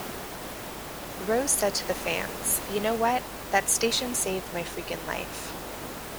Rose said to the fans, You know what?!, that station saved my freakin' life.